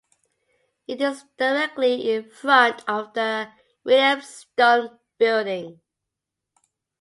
It is directly in front of the William Stone Building.